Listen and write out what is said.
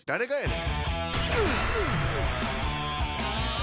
ん？